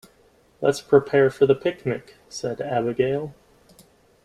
"Let's prepare for the picnic!", said Abigail.